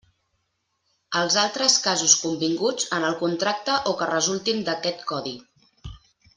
Els altres casos convinguts en el contracte o que resultin d'aquest codi.